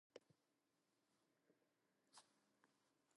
Not only are the ships fairly intact, but Mara can sense life.